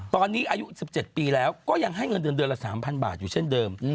ตอนนี้อายุ๑๗ปีแล้วก็ยังให้เงินเดือนเดือนละ๓๐๐บาทอยู่เช่นเดิม